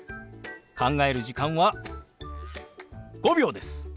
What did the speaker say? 考える時間は５秒です。